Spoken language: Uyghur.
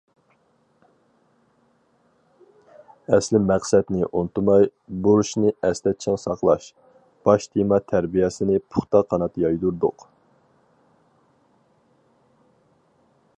« ئەسلىي مەقسەتنى ئۇنتۇماي، بۇرچنى ئەستە چىڭ ساقلاش» باش تېما تەربىيەسىنى پۇختا قانات يايدۇردۇق.